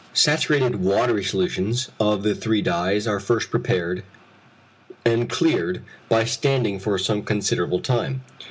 Saturated watery solutions of the three dyes are first prepared, and cleared by standing for some considerable time.